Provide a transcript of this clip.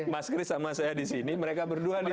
mas kris sama saya di sini mereka berdua